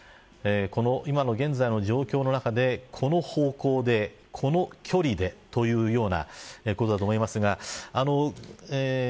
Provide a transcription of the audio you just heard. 今の現在の状況の中でこの方向でこの距離で、というようなことだと思いますが。